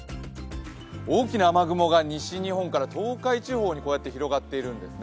大きな雨雲が西日本から東海地方に広がっているんですね。